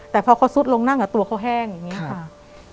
แต่พอเขาซุดลงนั่งตัวเขาแห้งอย่างนี้ค่ะ